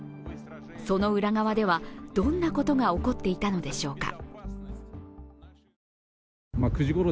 その裏側ではどんなことが起こっていたのでしょうか。